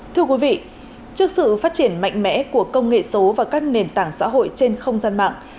thưa quý vị trước sự phát triển mạnh mẽ của công nghệ số và các nền tảng xã hội trên không gian mạng